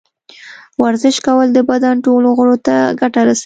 ورزش کول د بدن ټولو غړو ته ګټه رسوي.